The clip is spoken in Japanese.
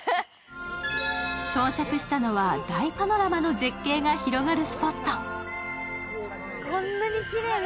到着したのは大パノラマの絶景が広がるスポット。